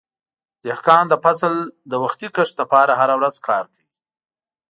دهقان د فصل د وختي کښت لپاره هره ورځ کار کوي.